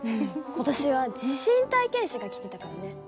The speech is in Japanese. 今年は地震体験車が来てたからね。